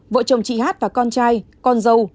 vợ chồng chị hát và con trai con dâu